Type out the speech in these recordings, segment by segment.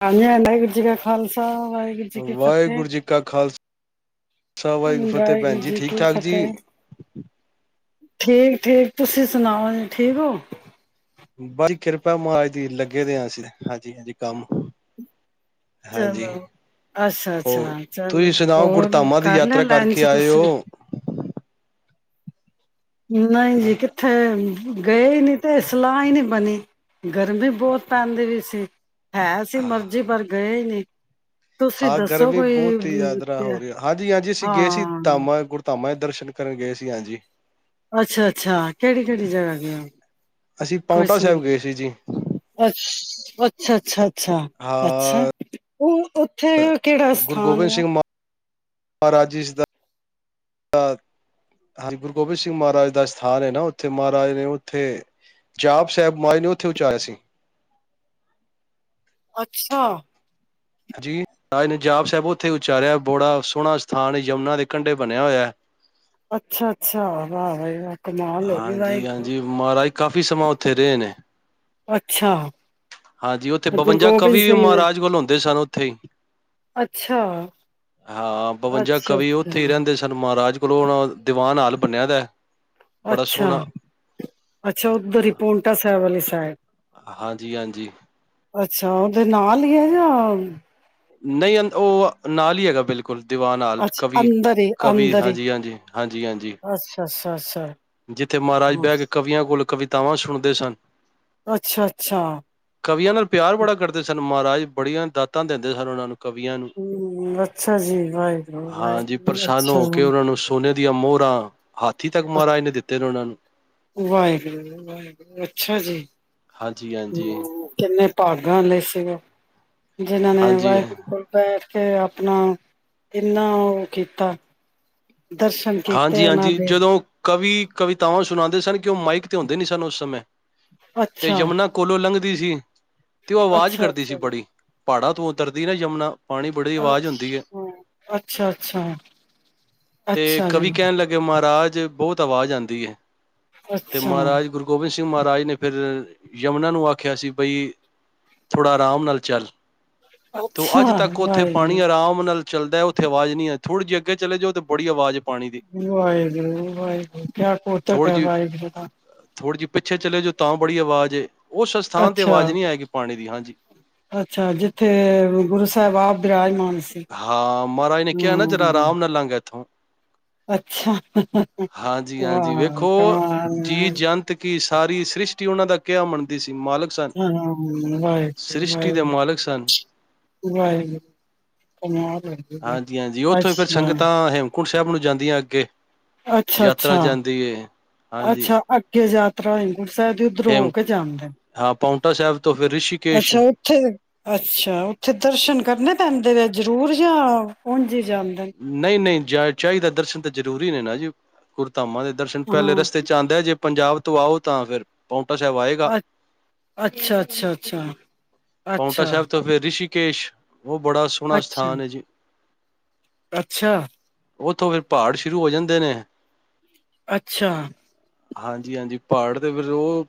[unintelligible] ਵਾਹਿਗੁਰੂ ਜੀ ਕਾ ਖਾਲਸਾ, ਵਾਹਿਗੁਰੂ ਜੀ ਕੀ ਫ਼ਤਿਹ। ਵਾਹਿਗੁਰੂ ਜੀ ਕਾ ਖਾਲਸਾ ਫਤਿਹ ਭੈਣ ਵਾਹਿਗੁਰੂ ਜੀ ਠੀਕ ਕੀ ਠਾਕ ਜੀ ਫ਼ਤਿਹ। ਠੀਕ-ਠੀਕ, ਤੁਸੀਂ ਸੁਣਾਓ ਠੀਕ ਹੋ? ਬਾ ਜੀ, ਕਿਰਪਾ ਏ ਮਹਾਰਾਜ ਦੀ ਲੱਗੇ ਵੇ ਆ ਅਸੀਂ। ਹਾਂਜੀ-ਹਾਂਜੀ, ਕੰਮ-ਕੂਮ ਚਲੋ। ਅੱਛਾ-ਅੱਛਾ। ਹੋਰ ਤੁਸੀਂ ਚਲੋ, ਸੁਣਾਓ ਹੋਰ ਗੁਰਧਾਮਾਂ ਦੀ ਕਰ ਲਿਆ ਯਾਤਰਾ ਕਰਕੇ ਲੰਚ ਆਏ ਹੋ ਤੁਸੀਂ? ਨਹੀਂ ਜੀ, ਕਿੱਥੇ ਗਏ ਨੀ, ਤੇ ਸਲਾਹ ਹੀ ਨਹੀਂ ਬਣੀ। ਗਰਮੀ ਬਹੁਤ ਪੈਂਦੀ ਵੀ ਸੀ। ਹੈ, ਸੀ ਮਰਜ਼ੀ ਪਰ ਗਏ ਹੀ ਨੀ। ਹਾਂ, ਗਰਮੀ ਬਹੁਤ ਹੀ ਅਮ, ਯਾਤਰਾ ਤੇ- ਹੋ ਰਹੀ ਹੈ। ਹਾਂਜੀ-ਹਾਂਜੀ ਅਸੀਂ ਗਏ ਸੀ। ਹਾਂ ਧਾਮਾ- ਗੁਰਧਾਮਾ। ਦਰਸ਼ਨ ਕਰਨ ਗਏ ਸੀ, ਹਾਂਜੀ। ਅੱਛਾ-ਅੱਛਾ। ਕਿਹੜੀ ਕਿਹੜੀ ਜਗ੍ਹਾ ਗਏ ੳ? ਅਸੀਂ ਪਾਊਂਟਾ ਸਾਹਿਬ ਗਏ ਸੀ ਜੀ। ਅੱਛ ਅੱਛਾ- ਅੱਛਾ। ਅੱਛਾ, ਅੱਛਾ। ਹਾਂ ਉਹ ਉੱਥੇ ਕਿਹੜਾ ਸਥਾਨ ਆ? ਮਹਾਰਾਜ ਜ ਦਾ ਹ ਹਾਂਜੀ, ਗੁਰੂ ਗੋਬਿੰਦ ਸਿੰਘ ਮਹਾਰਾਜ ਦਾ, ਗ ਗੁਰੂ ਗੋਬਿੰਦ ਸਿੰਘ ਮਹਾਰਾਜ ਦਾ ਸਥਾਨ ਹੈ ਨਾ ਉੱਥੇ। ਮਹਾਰਾਜ ਨੇ ਉੱਥੇ ਜਾਪ ਸਾਹਿਬ ਮਾਜ ਉੱਥੇ ਉਚਾਰੇ ਸੀ। ਅੱਛਾ ਹਾਂਜੀ, ਮਹਾਰਾਜ ਨੇ ਜਾਪ ਸਾਹਿਬ ਉੱਥੇ ਉਚਾਰਿਆ। ਬੜਾ ਸੋਹਣਾ ਸਥਾਨ ਹੈ, ਯਮੁਨਾ ਦੇ ਕੰਢੇ ਬਣਿਆ ਹੋਇਆ। ਅੱਛਾ-ਅੱਛਾ। ਵਾਹ-ਬਈ-ਵਾਹ। ਹਾਂਜੀ-ਹਾਂਜੀ। ਮਹਾਰਾਜ ਕਾਫ਼ੀ ਸਮਾਂ ਉੱਥੇ ਰਹੇ ਨੇ। ਅੱਛਾ ਹਾਂਜੀ, ਉੱਥੇ ਗੁਰੂ ਬਵੰਜਾ ਗੋਬਿੰਦ ਕਵੀ ਵੀ ਸਿੰਘ ਜੀ ਮਹਾਰਾਜ ਵਲ ਹੁੰਦੇ ਸਨ ਉੱਥੇ ਹੀ। ਅੱਛਾ ਹਾਂ ਬਵੰਜਾ ਅੱਛਾ ਕਵੀ ਅੱਛਾ ਉਥੇ ਹੀ ਰਹਿੰਦੇ ਸਨ। ਮਹਾਰਾਜ ਕੋਲੋ ਹੁਣ, ਦੀਵਾਨ ਹਾਲ ਬੰਨਿਆ ਵਿਆ। ਅੱਛਾ, ਅੱਛਾ ਉਧਰ ਹੀ, ਪਾਉਂਟਾ ਸਾਹਿਬ ਵਾਲੀ ਸਾਈਡ। ਹਾਂਜੀ-ਹਾਂਜੀ। ਅੱਛਾ, ਉਹਦੇ ਨਾਲ ਹੀ ਹੈ ਨਾ। ਨਹੀਂ ਅ ਉਹ, ਨਾਲ ਹੀ ਹੈਗਾ ਬਿਲਕੁਲ। ਦੀਵਾਨ ਨਾਲ, ਅੱਛਾ ਕਵੀ, ਅੰਦਰ ਹੀ ਕਵੀ ਅੰਦਰ ਹੀ ਹਾਂਜੀ-ਹਾਂਜੀ, ਹਾਂਜੀ-ਹਾਂਜੀ। [unintelligible] ਜਿੱਥੇ ਮਹਾਰਾਜ ਹਮ, ਬਹਿ ਕੇ, ਕਵੀਆਂ ਕੋਲ ਕਵਿਤਾ ਤਾਵਾਂ ਸੁਣਦੇ ਸਨ। ਅੱਛਾ ਅੱਛਾ ਕਵੀਆਂ ਨਾਲ ਪਿਆਰ ਬੜਾ ਕਰਦੇ ਸਨ। ਮਹਾਰਾਜ ਬੜੀਆਂ ਦਾਤਾਂ ਦਿੰਦੇ ਸਨ, ਉਹਨਾਂ ਨੂੰ। ਕਵੀਆਂ ਨੂੰ। ਹਮ ਅੱਛਾ ਜੀ ਵਾਹਿਗੁਰੂ ਹਾਂਜੀ ਵਾਹਿਗੁਰੂ ਪ੍ਰਸੰਨ ਅੱਛਾ ਹੋ ਕੇ ਜੀ ਉਹਨਾਂ ਨੂੰ ਸੋਨੇ ਦੀਆਂ ਮੋ [unintelligible] ਹਾਥੀ ਤੱਕ ਅੱਛਾ। ਮਾਰਾ ਇਹਨੇ ਫ ਉਹਨਾਂ ਨੂੰ ਵਾਹਿਗੁਰੂ ਵਾਹਿਗੁਰੂ ਅੱਛਾ ਜੀ ਹਾਂਜੀ ਹਾਂਜੀ ਹਮ ਕਿੰਨੇ ਭਾਗਾਂ ਲਈ ਸੀਗਾ ਜਿਨਾਂ ਨੇ ਹਾਂਜੀ ਵਾਹਿਗੁਰੁਲ ਫ ਕੇ ਆਪਣਾ ਇੰਨਾ ਉਹ ਕੀਤਾ ਦਰਸ਼ਨ ਕੀਤੇ ਹਾਂਜੀ ਉਹਨਾਂ ਹਾਂਜੀ ਦੇ ਜਦੋਂ ਕਵੀ ਕਵਿਤਾਵਾਂ ਸੁਣਾਉਂਦੇ ਸਨ ਕਿ ਉਹ ਮਾਈਕ ਤੇ ਹੁੰਦੇ ਨਹੀਂ ਸਨ ਉਸ ਸਮੇਂ ਤੇ ਅੱਛਾ ਯਮੁਨਾ ਕੋਲੋਂ ਲੰਘ ਦੀ ਸੀ ਤੇ ਉਹ ਆਵਾਜ਼ ਅੱਛਾ ਕਰਦੀ ਸੀ ਅੱਛਾ ਬੜੀ ਪਾਹਾੜਾਂ ਤੂੰ ਉਤਰਦੀ ਨਾ ਜਮਨਾ ਅੱਛਾ ਅੱਛਾ ਤੇ ਅੱਛਾ ਕਵੀ ਜੀ ਕਹਿਣ ਲੱਗੇ ਮਹਾਰਾਜ ਬਹੁਤ ਆਵਾਜ਼ ਆਂਦੀ ਹੈ ਤੇ ਅੱਛਾ ਮਹਾਰਾਜ ਗੁਰੂ ਗੋਬਿੰਦ ਸਿੰਘ ਮਹਾਰਾਜ ਰਾਜ ਨੇ ਫਿਰ ਯਮੁਨਾ ਨੂੰ ਆਖਿਆ ਸੀ ਬਈ ਥੋੜ੍ਹਾ ਆਰਾਮ ਨਾਲ ਚੱਲ ਤ ਅੱਛਾ ਅੱਜ ਤੱਕ ਉੱਥੇ ਪਾਣੀ ਵਾਹਿਗੁਰੂ ਆਰਾਮ ਨਾਲ ਚੱਲਦਾ ਉਥ ਆਵਾਜ਼ ਨਹੀਂ ਥੋੜ੍ਹੀ ਅੱਗੇ ਚਲੇ ਜਾਓ ਤਾਂ [unintelligible] ਆ ਵਾਹਿਗੁਰੂ-ਵਾਹਿਗੁਰੂ, ਕਯਾ ਕੌਤਕ ਥੋੜ੍ਹੀ ਐ ਜਿਹੀ ਵਾਹਿਗੁਰੂ ਦਾ। ਥੋੜ੍ਹੀ ਜਿਹੀ ਪਿੱਛੇ ਚਲੇ ਜੋ ਤਾਂ ਬੜੀ ਆਵਾਜ਼ ਏ ਉਸ ਸਥਾਨ ਤੇ ਅੱਛਾ, ਆਵਾਜ਼ ਨਹੀਂ ਆਏਗੀ ਪਾਣੀ ਦੀ ਹਾਂਜੀ ਅੱਛਾ ਜਿੱਥੇ ਗੁਰੂ ਸੈਬ ਆਪ ਵਿਰਾਜਮਾਨ ਹਾਂ, ਮਹਾਰਾਜ ਨੇ ਕਿਐ ਨਾ ਜਰਾ ਆਰਾਮ ਨਾਲ ਲੰਘ ਇੱਥੋਂ। ਅੱਛਾ, ਹਾਂਜੀ ਹਾਂਜੀ ਵਾਹ! ਵੇਖੋ ਕਮਾਲ ਜੀ ਐ। ਜੰਤ ਕੀ ਸਾਰੀ ਸ੍ਰਿਸ਼ਟੀ ਉਹਨਾਂ ਦਾ ਕਿਆ ਮੰਨਦੀ ਸੀ। ਮਾਲਕ ਸਨ ਹਾਂ, ਵਾਹਿਗੁਰੂ, ਸ੍ਰਿਸ਼ਟੀ ਦੇ ਵਾਹਿਗੁਰੂ, ਮਾਲਕ ਸਨ ਵਾਹਿਗੁਰੂ। ਕਮਾਲ ਹੈਗੀ ਏ। ਹਾਂਜੀ-ਹਾਂਜੀ ਔਥੋਂ ਈ ਫਿਰ ਅੱਛਾ ਸੰਗਤਾਂ ਹੇਮ ਕੁੰਡ ਸੈਬ ਨੂੰ ਜਾਂਦੀਐਂ ਅੱਗੇ। ਯਾਤਰਾ ਅੱਛਾ-ਅੱਛਾ, ਜਾਂਦੀ ਏ ਹਾਂਜੀ ਅੱਛਾ ਅੱਗੇ ਜਾ ਤ੍ਰਾਂਈ ਗੁਰ ਸਾਹਿਬ ਦੇ ਉੱਧਰੋਂ ਹੇਮ ਹੋ ਕੇ ਜਾਂਦੇ ਨ। ਹਾਂ ਪਾਉਂਟਾ ਸਾਹਿਬ ਤੋਂ ਫਿਰ ਰਿਸ਼ੀਕੇਸ਼ ਅੱਛਾ ਔਥੇ! ਅੱਛਾ, ਔਥੇ ਦਰਸ਼ਨ ਕਰਨੇ ਕਹਿੰਦੇ ਨੇ ਜਰੂਰ ਜਾ ਆਔ। ਹੁਣ ਨਈ-ਨਈ ਜਾ ਚਾਈਦੈ ਦਰਸ਼ਨ ਤਾਂ ਜ਼ਰੂਰੀ ਨੇ ਨਾ ਜੀ। ਕੁਰ ਧਾਮਾਂ ਦੇ ਦਰਸ਼ਨ ਪੈਲੇ ਹਾਂ ਰਸਤੇ ਚ ਆਂਦੈ ਜੇ ਪੰਜਾਬ ਤੋਂ ਆਔ ਤਾਂ ਫਿਰ ਪਾਉਂ ਅੱ, ਅੱਛਾ-ਅੱਛਾ-ਅੱਛਾ ਪਾਊਂਟਾ ਸੈਬ ਤੋਂ ਫੇਰ ਰਿ ਸ਼ੀਕੇਸ਼ ਵੋ ਬੜਾ ਸੋਹਣਾ ਅੱਛਾ ਸਥਾਨ ਐਜੀ ਅੱਛਾ। ਔਥੋਂ ਫਿਰ ਪਹਾੜ ਸ਼ੁਰੂ ਹੋ ਜਾਂਦੇ ਨੇ। ਅੱਛਾ। ਹਾਂਜੀ-ਹਾਂਜੀ, ਪਹਾੜ ਤੇ ਫਿਰ ਔ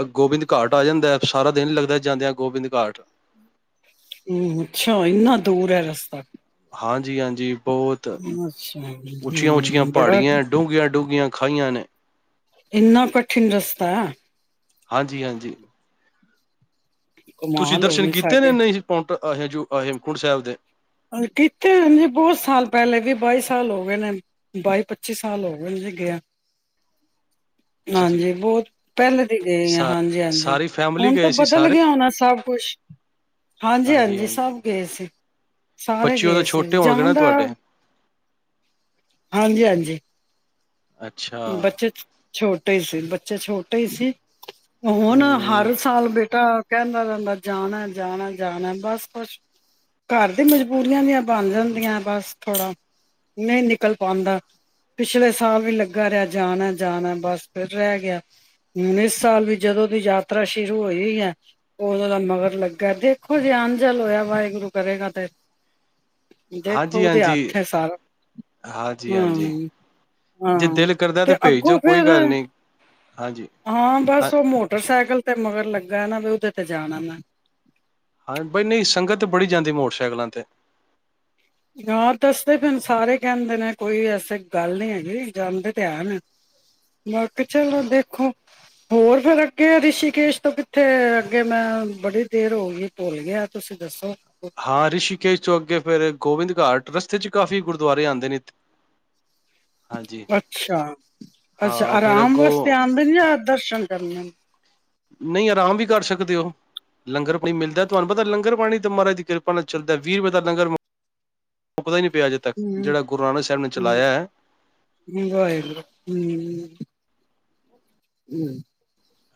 ਅ ਗੋਬਿੰਦ ਘਾਟ ਆ ਜਾਂਦੈ ਸਾਰਾ ਦਿਨ ਲੱਗਦੈ ਜਾਂਦਿਆਂ ਗੋਬਿੰਦ ਘਾਟ। ਹੂ ਅੱਛਾ, ਇੰਨਾ ਦੂਰ ਐ ਰਸਤਾ ਹਾਂਜੀ-ਹਾਂਜੀ। ਬਹੋਤ ਅੱਛਾ ਉੱਚੀਆਂ-ਉੱਚੀਆਂ ਹੂੰ ਬੜਾ ਪਹਾੜੀਐਂ, ਡੂੰਘੀਆਂ-ਡੂੰਘੀਆਂ ਖਾਈਆਂ ਨੇ। ਇੰਨਾਂ ਕਠਿਨ ਰਸਤੈ। ਹਾਂਜੀ-ਹਾਂਜੀ। ਤੁਸੀਂ ਕਮਾਲ ਹੋ ਦਰਸ਼ਨ ਗਏ ਕੀਤੇ ਸਾਡੇ ਨੇ ਨਈ ਸੀ ਪੌਂਟਾ ਆ ਹੇ ਜੋ ਆ ਹੇਮਕੁੰਡ ਸੈਬ ਦੇ। ਔਰ ਕੀਤੇ ਐਂ ਜੀ ਬੋਤ ਸਾਲ ਪੈਲੇ ਵੀ-ਬਾਈ ਸਾਲ ਹੋ ਗਏ ਨੇ, ਬਾਈ-ਪੱਚੀ ਸਾਲ ਹੋ ਗਏ ਜੀ ਗਿਆਂ। ਅੱਛਾ ਜੀ ਹਾਂਜੀ ਬਹੁਤ ਪਹਿਲੇ ਦੀ ਗਏ ਆਂ। ਸਾ ਹਾਂਜੀ- ਹਾਂਜੀ ਸਾਰੀ ਫੈਮਿਲੀ ਹੁਣ ਤਾਂ ਗਏ ਸੀ ਬਦਲ ਸਾਰੇ ਗਿਆ ਹੋਣਾ ਸਭ ਕੁਛ। ਹਾਂਜੀ ਹਾਂਜੀ-ਹਾਂਜੀ ਹਾਂਜੀ ਸਭ ਗਏ ਸੀ। ਸਾਰੇ ਬੱਚੇ ਗਏ ਉਦੋਂ ਸੀ ਛੋਟੇ ਹੋਣਗੇ ਜਾਣ ਨਾ ਦਾ ਤੁਹਾਡੇ ਹਾਂਜੀ ਹਾਂਜੀ ਅੱਛਾ ਬੱਚੇ ਛੋਟੇ ਸੀ ਬੱਚੇ ਛੋਟੇ ਛੋਟੇ ਸੀ ਹੁਣ ਹੂੰ ਹਰ ਸਾਲ ਬੇਠੇ ਕਹਿੰਦਾ ਰਹਿੰਦਾ ਜਾਣਾ- ਜਾਣਾ -ਜਾਣਾ ਬਸ ਕੁਛ ਘਰ ਦੀ ਮਜਬੂਰੀਆਂ ਵੀਆਂ ਬਣ ਜਾਂਦੀਆਂ ਬਸ ਥੋੜਾ ਨਹੀਂ ਨਿਕਲ ਪਾਉਂਦਾ ਪਿਛਲੇ ਸਾਲ ਵੀ ਲੱਗਾ ਗਾ ਰਿਹਾ ਜਾਣਾ ਜਾਣਾ ਬਸ ਫਿਰ ਰਹਿ ਗਿਆ ਹੁਣ ਇਸ ਸਾਲ ਵੀ ਜਦੋਂ ਦੀ ਯਾਤਰਾ ਸ਼ੁਰੂ ਹੋਈ ਹੈ ਉਦੋਂ ਦਾ ਮਗਰ ਲੱਗਾ ਦੇਖੋ ਅੰਨ ਜਲ ਹੋਇਆ ਵਾਹਿਗੁਰੂ ਕਰੇਗਾ ਤੇ ਦੇਖੋ ਹਾਂਜੀ ਉਸਦੇ ਹਾਂਜੀ ਹੱਥ ਹੈ। ਸਾਰਾ ਹਾਂਜੀ ਹਾਂਜੀ ਜੇ ਹਾਂ ਦਿਲ ਕਰਦਾ ਤੇ ਭੇਜ ਅੱਗੋਂ ਦਿਓ ਕੋਈ ਫੇਰ ਗੱਲ ਨਹੀਂ ਹਾਂਜੀ ਹਾਂ ਬਸ ਉਹ ਮੋਟਰ ਮੋਟਰਸਾਈਕਲ ਤੇ ਮਗਰ ਲੱਗਾ ਨਾ ਵੀ ਉਹਦੇ ਤੇ ਜਾਣਾ ਮੈਂ ਹਾਂ ਬਾਈ ਨਹੀਂ ਸੰਗਤ ਤੇ ਬੜੀ ਜਾਂਦੀ ਮੋਟਰਸਾਈਕਲਾਂ ਤੇ ਹਾਂ ਦੱਸਦੇ ਫਿਰ ਸਾਰੇ ਕਹਿੰਦੇ ਨੇ ਕੋਈ ਐਸੇ ਗੱਲ ਨੀ ਹੈਗੀ ਜਾਂਦੇ ਤੇ ਐਨ ਕਿਹਾ ਚਲੋ ਦੇਖੋ ਹੋਰ ਫੇਿਰ ਅੱਗੇ ਰਿਸ਼ੀਕੇਸ਼ ਤੋ ਕਿੱਥੇ ਅੱਗੇ ਮੈਂ ਬੜੀ ਦੇਰ ਹੋ ਗਈ ਭੁੱਲ ਗਿਆ ਤੁਸੀਂ ਦੱਸੋ ਹਾਂ ਰਿਸ਼ੀਕੇਸ਼ ਤੋਂ ਅਗੇ ਫੇਰ ਗੋਬਿੰਦ ਘਾਟ ਰਸਤੇ ਚ ਕਾਫ਼ੀ ਗੁਰਦੁਆਰੇ ਆਉਂਦੇ ਨੇ। ਹਾਂਜੀ ਅੱਛਾ-ਅੱਛਾ ਹਾਂ ਫੇਰ ਆਰਾਮ ਵਾਸਤੇ ਅੱਗੋਂ ਆਉਂਦੇ ਨੇ ਜਾਂ ਦਰਸ਼ਨ ਕਰਨੇ ਨੇ। ਨਹੀਂ ਆਰਾਮ ਵੀ ਕਰ ਸਕਦੇ ਹੋ ਲੰਗਰ ਪਾਣੀ ਮਿਲਦਾ ਤੁਹਾਨੂੰ ਪਤਾ ਲੰਗਰ ਪਾਣੀ ਤਾਂ ਮਹਾਰਾਜ ਦੀ ਕਿਰਪਾ ਨਾਲ ਚੱਲਦਾ ਵੀਹ ਰੁਪਏ ਦਾ ਲੰਗਰ ਮੁੱਕਦਾ ਹੀ ਨਹੀਂ ਪਿਆ ਅਜੇ ਤੱਕ ਹਮ ਜਿਹੜਾ ਗੁਰੂ ਨਾਨਕ ਸਾਹਿਬ ਨੇ ਚਲਾਇਆ ਹੈ ਹਮ ਹਮ।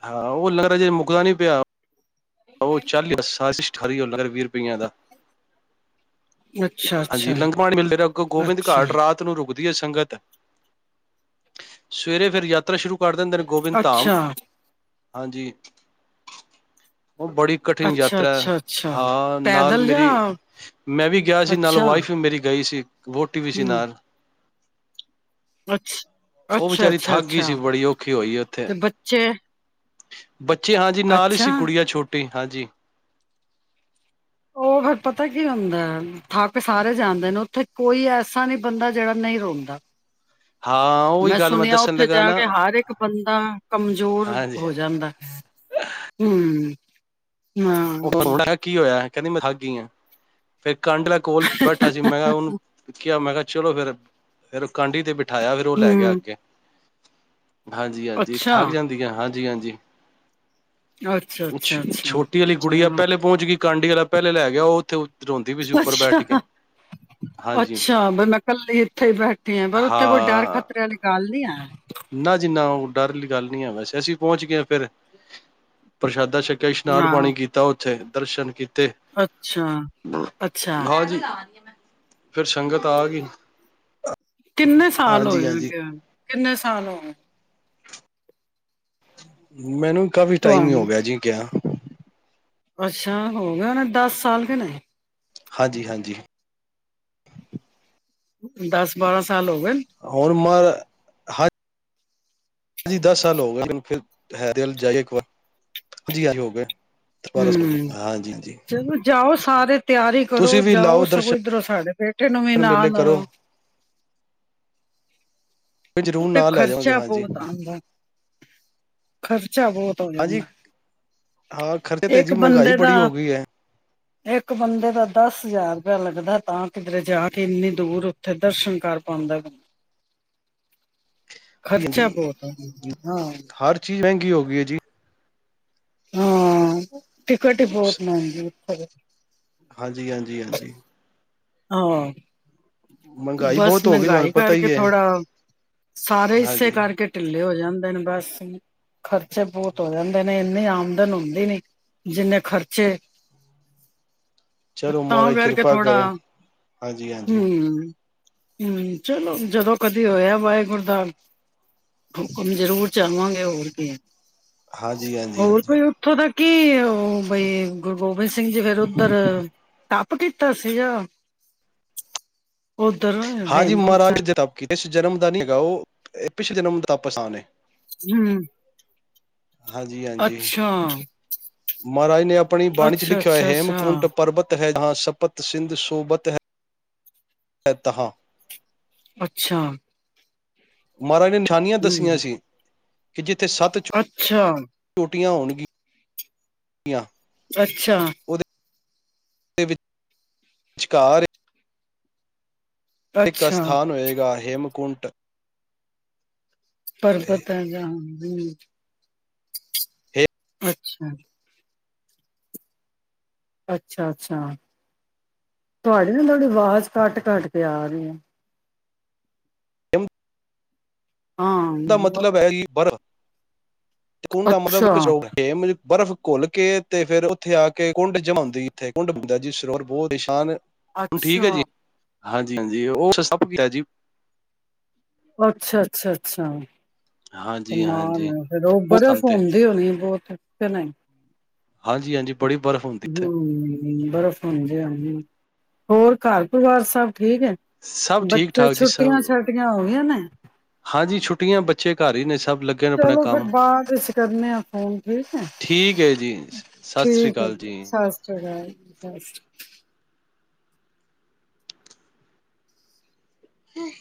ਹਾਂ ਉਹ ਲਗਰ ਚੇ ਮੁੱਕਦਾ ਨਹੀ ਪਿਆ। ਉਹ ਚੱਲ ਖਾਰੀ ਹੋ ਲਗਰ ਵੀਹ ਰੁਪਈਆਂ ਦਾ। ਅੱਛਾ ਹਾਂਜੀ ਅੱਛਾ ਲੰਗ ਪਾਣੀ ਮਿਲਦੇ ਅਗੋ ਗੋਬਿੰਦ ਅੱਛਾ ਘਾਟ ਰਾਤ ਨੂੰ ਰੁਕਦੇ ਸੰਗਤ ਸਵੇਰੇ ਫਿਰ ਯਾਤਰਾ ਸ਼ੁਰੂ ਦੇਂਦੇ ਨੇ ਗੋਬਿੰਦ ਧਾਮ ਅੱਛਾ ਹਾਂਜੀ। ਉਹ ਬੜੀ ਕਠਿਨ ਅੱਛਾ ਯਾਤਰਾ ਹੈ ਅੱਛਾ ਅੱਛਾ ਹਾਂ ਨਾਲ ਪੈਦਲ ਜਾ ਮੇਰੀ ਮੈਂ ਵੀ ਗਿਆ ਸੀ ਨਾਲ ਅੱਛਾ ਵਾਈਫ ਵੀ ਮੇਰੀ ਗਈ ਸੀ। ਵੋਟੀ ਵੀ ਸੀ ਹੂੰ ਨਾਲ। ਅੱਛ ਉਹ ਵਿਚਾਰੀ ਅੱਛਾ-ਅੱਛਾ, ਥੱਕ ਗਈ ਅੱਛਾ ਸੀ ਬੜੀ ਔਖੀ ਹੋਈ ਉੱਥੇ ਤੇ ਬੱਚੇ। ਬੱਚੇ ਹਾਂਜੀ ਨਾਲ ਹੀ ਸੀ ਅੱਛਾ ਗੁੜੀਆ ਛੋਟੀ ਟੀ ਹਾਂਜੀ। ਉਹ ਫਿਰ ਪਤਾ ਕੀ ਹੁੰਦਾ ਥੱਕ ਸਾਰੇ ਜਾਂਦੇ ਨੇ ਉੱਥੇ ਕੋਈ ਐਸਾ ਨਹੀਂ ਬੰਦਾ ਜਿਹੜਾ ਨਹੀਂ ਰੋਂਦਾ। ਹਾਂ ਉਹੀ ਮੈਂ ਗੱਲ ਸੁਣਿਆ ਦੱਸਣ ਉੱਥੇ ਲੱਗਾ ਜਾ ਨਾ ਕੇ ਹਰ ਇੱਕ ਬੰਦਾ ਕਮਜ਼ੋਰ ਹਾਂਜੀ ਹੋ ਜਾਂਦਾ ਹੈ ਹਮ। ਉਹ [inaudible] ਕੀ ਹੋਇਆ। ਕਹਿੰਦੀ ਮੈਂ ਥਾ ਗਈ ਆ ਫੇਰ ਕੰਢਲ ਕੋਲ ਬੈਠਾ ਸੀ ਮੈਂ ਕਿਹਾ ਉਹਨੂੰ ਕਿਹਾ ਮੈਂ ਕਿਹਾ [inaudible] [inaudible] [inaudible] [inaudible] [inaudible] ਚਲੋ ਫੇਰ, ਫੇਰ ਕਾਂਢੀ ਤੇ ਬਿ ਬਿਠਾਇਆ ਫਿਰ ਉਹ ਲੈ ਗਿਆ ਹੂੰ ਅੱਗੇ। ਹਾਂਜੀ-ਹਾਂਜੀ ਅੱਛਾ ਥੱਕ ਜਾਂਦੀਆਂ ਹਾਂਜੀ-ਹਾਂਜੀ। ਜੀ। ਅੱਛਾ ਛ ਅੱਛਾ ਅੱਛਾ ਛੋਟੀ ਆਲੀ ਗੁੜੀਆ ਅੱਛਾ ਪਹਿਲੇ ਪਹੁੰਚ ਗਈ। ਕਾਂਡੀ ਵਾਲਾ ਪਹਿਲੇ ਲੈ ਗਿਆ ਉਹ ਉੱਥੇ ਰੋਂਦੀ ਵੀ ਸੀ ਉੱਪਰ ਬੈਠ ਕੇ ਹਾਂਜੀ ਅੱਛਾ-ਅੱਛਾ ਵੀ ਮੈਂ ਕੱਲੀ ਇੱਥੇ ਬੈਠੀ ਆ ਪਰ ਉੱਥੇ ਕੋਈ ਡਰ ਹਾਂ ਖ਼ਤਰੇ ਵਾਲੀ ਗੱਲ ਨੀ ਹੈ। ਨਾ ਜਿੰਨਾ ਦਾ ਛੇਕਤ ਹਾਂ ਦਰ ਅੱਛਾ ਅੱਛਾ ਤੇ ਹਾਂਜੀ ਫੇਿਰ ਸੰਗਤ ਆ ਗਈ ਕਿੰਨੇ ਸਾਲ ਹੋ ਹਾਂਜੀ ਹਾਂਜੀ ਗਿਆ ਨੂੰ ਥਾ ਲੋਕ ਮੈਨੂੰ ਕਾਫੀ ਟਾਈਮ ਹੀ ਹੋ ਤੁਹਾਨੂੰ ਜੀ ਗਿਆ ਅੱਛਾ ਹੋ ਗਿਆ ਹਨਾ ਦਸ ਸਾਲ ਦੇ ਨੇ ਹਾਂਜੀ ਹਾਂਜੀ ਦਸ ਬਾਰਾਂ ਸ ਹੁਣ ਮਾਏ ਹਰ ਚੀਜ ਹਾਂਜੀ ਦਸ ਸਾਲ ਹੋ ਗਏ ਬਿਲ ਹੈਰਾਨ ਚਾਹੀਏ ਇਕ ਬਾਰ ਜੀਆਈ ਹੋ ਗਿਆ ਹਮ ਚਲੋ ਜਾਓ ਸਕੁ ਆਦਤ ਤਿਆਰੀ ਕਰੋ ਤੁਸੀਂ ਵੀ ਜਾਓ ਲਾਓ ਸਗੋਂ ਦਰਸ਼ਨ ਇਧਰੋਂ ਸਾਡੇ ਬੇਟੇ ਨੂੰ ਵੀ ਮੇਲੇ ਨਾਲ ਕਰੋ ਲਓ ਫਿਰ ਇਕ ਜ਼ਰੂਰ ਤੇ ਨਾਲ ਲੈ ਜਾਵਾਂਗੇ ਖ਼ਰਚਾ ਹਾਂਜੀ ਬਹੁਤ ਆਉਂਦਾ ਖ਼ਰਚਾ ਬਹੁਤ ਹੋ ਹਾਂਜੀ ਜਾਂਦਾ ਹਾਂ ਖਰਚੇ ਤੇ ਜੀ ਇੱਕ ਮਹਿੰਗਾਈ ਬੰਦੇ ਦਾ ਬੜੀ ਹੋ ਗਈ ਹੈ ਇੱਕ ਬੰਦੇ ਦਾ ਦਸ ਹਜ਼ਾਰ ਰੁਪਆ ਲੱਗਦਾ ਤਾਂ ਕਿਧਰੇ ਜਾ ਕੇ ਇੰਨੀ ਦੂਰ ਉੱਥੇ ਦਰਸ਼ਨ ਕਰ ਪਾਉਂਦਾ ਬੰਦਾ ਕੀ ਕਹਿੰਦੇ ਆ ਹਾਂ ਹਰ ਚੀਜ਼ ਮਹਿੰਗੀ ਹੋ ਗਈ ਏ ਜੀ ਹਾਂ ਟਿਕਟ ਬਹਤੋ ਮਹਿੰਗੀ ਉਪਰ ਹਾਂਜੀ ਹਾਂਜੀ ਹਾਂਜੀ ਆਹ ਮਹਿੰਗਾਈ ਬਸ ਬਹੁਤ ਹੋ ਗਈ ਤੁਹਾਨੂੰ ਮਹਿੰਗਾਈ ਪਤਾ ਕਰਕੇ ਹੀ ਹੈ ਲੋਹੜਾ। ਸਾਰੇ ਏਸੇ ਹਾਂਜੀ ਕਰਕੇ ਟਿੱਲੇ ਹੋਏ ਜਾਂਦੇ ਨੇ ਬਸ ਖਰਚੇ ਬਹੋਤ ਹੋ ਜਾਂਦੇ ਨੇ ਇੰਨੀ ਆਮਦਨ ਹੁੰਦੀ ਨੀ ਜਿੰਨੇ ਖਰਚੇ ਚਲੋ ਤਾ ਮਹਾਰਾਜ ਕਰਕੇ ਕਿਰਪਾ ਥੋੜਾ ਕਰੇ ਹਾਂਜੀ ਹਾਂਜੀ ਹਮ ਹਮ ਚਲੋ ਜਦੋ ਕਦੀ ਹੋਇਆ ਵਾਹਿਗੁਰ ਦਾ ਹੁਕਮ ਜਰੂਰ ਜਾਵਾਂਗੇ ਹੋਰ ਕੀ ਹਾਂਜੀ ਹਾਂਜੀ ਹੋਰ ਹਾਂਜੀ ਕੋਈ ਉੱਥੋਂ ਦਾ ਕੀ ਉਹ ਬਈ ਗੁਰੂ ਗੋਬਿ ਗੋਬਿੰਦ ਸਿੰਘ ਜੀ ਫਿਰ ਉੱਧਰ ਤਪ ਕੀਤਾ ਸੀਗਾ। ਹਾਂਜੀ ਮਹਾਰਾਜ ਜੀ ਨੇ ਤਪ ਕੀਤੇ ਇਸ ਜਨਮ ਦਾ ਨਹੀਂ ਹੈਗਾ ਉਹ ਪਿਛਲੇ ਜਨਮ ਦੇ ਤਪ ਆਸਾਨ ਏ। ਹਮ। ਹਾਂਜੀ ਹਾਂਜੀ ਅੱਛਾ। ਮਹਾਰਾਜ ਨੇ ਆਪ ਆਪਣੀ ਬਾਣੀ ਚ ਅੱਛਾ ਲਿਖਿਆ ਹੋਇਆ ਅੱਛਾ ਅੱਛਾ ਹੇਮਕੁੰਟ ਪਰਬਤ ਹੈ ਜਹਾਂ ਸਪਤ ਸਿੰਧ ਸੋਬਤ ਹੈ, ਹੈ ਤਹ। ਅੱਛਾ। ਮਹਾਰਾਜ ਨੇ [unintelligible] ਨੀਆਂ ਦੱਸੀਆਂ ਹਮ ਸੀ ਕਿ ਚਿਜ ਅੱਛਾ। ਟੀਆਂ ਹੋਣਗੀਆਂ ਅੱਛਾ। ਉਹਦੇ ਵਿਚਕਾਰ ਇੱਕ ਅੱਛਾ ਅਸਥਾਨ ਹੋਏਗਾ ਹੇਮਕੁੰਟ ਟ ਪਰਬਤ ਹੈ ਜਹਾਂ। ਹਮ। ਅੱਛਾ। ਅੱਛਾ-ਅੱਛਾ ਤੁਹਾਡੀ ਨਾ ਥੋੜੀ ਆਵਾਜ਼ ਕੱਟ-ਕੱਟ ਕੇ ਆ ਰਹੀ ਹੈ। [inaudible] ਐਦਾ ਹਾਂ ਮਤਲਬ ਹੈ ਈ ਬਰਫ਼ ਤੇ ਕੁਨ ਦਾ ਮਤਲਬ ਅੱਛਾ [unintelligible] ਬਰਫ਼ ਘੁਲ ਕੇ ਤੇ ਫੇਰ ਉਥੇ ਆ ਕੇ ਕੁੰਡ ਜਮਾ ਉਥੇ ਕੁੰਡ ਹੁੰਦਾ ਜੀ ਸਰੋਵਰ ਬਹੁਤ ਸ਼ਾਨ ਅੱਛਾ। ਹਾਂਜੀ-ਹਾਂਜੀ ਉਹ ਸਭ [unintelligible] ਜੀ। ਅੱਛਾ-ਅੱਛਾ, ਅੱਛਾ। ਕਮਾਲ ਹਾਂਜੀ-ਹਾਂਜੀ ਹੈ ਫੇਰ ਉਹ ਸਥਾਨ ਬਰਫ ਤੇ ਹੁੰਦੀ ਹੋਣੀ ਹ ਬੋਹਤ। [unintelligible] ਨਹੀਂ ਹਾਂਜੀ-ਹਾਂਜੀ ਬੜੀ ਬਰਫ਼ ਹੁੰਦੀ ਇੱਥੇ ਹ ਬਰਫ਼ [unintelligible] ਹਾਜੀ। ਹੋਰ ਘਰ ਪਰਿਵਾਰ ਸਭ ਠੀਕ ਹੈ। ਸਭ ਠੀਕ ਬੱਚੇ ਠਾਕ ਜੀ ਸਭ ਛੁੱਟੀਆਂ-ਛਟੀਆਂ ਹੋ ਗਈਆਂ ਨੇ। ਹਾਂਜੀ ਛੁੱਟੀਆਂ ਬੱਚੇ ਘਰ ਹੀ ਨੀ ਸੀ। ਚਲੋ ਫਿਰ ਬਾਅਦ ਵਿੱਚ ਕਰਨੇ ਆ ਫੋਨ। ਠੀਕ ਹੈ, ਠੀਕ ਹੈ ਜੀ ਸਤਿ ਸ੍ਰੀ ਠੀਕ ਹੈ ਅਕਾਲ ਜੀ, ਸਤਿ ਸ੍ਰੀ ਅਕਾਲ। [unintelligible] ਹੂੰ